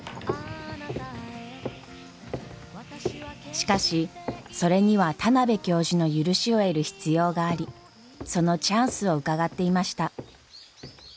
しかしそれには田邊教授の許しを得る必要がありそのチャンスをうかがっていました。